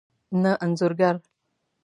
نه انځور ګر